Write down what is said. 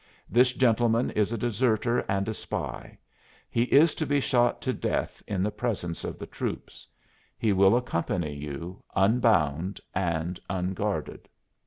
This gentleman is a deserter and a spy; he is to be shot to death in the presence of the troops. He will accompany you, unbound and unguarded."